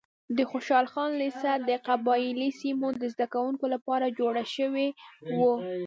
د خوشحال خان لیسه د قبایلي سیمو د زده کوونکو لپاره جوړه شوې وه.